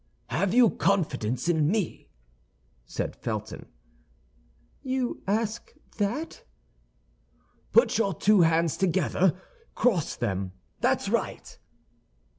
"Have you confidence in me?" said Felton. "You ask that?" "Put your two hands together. Cross them; that's right!"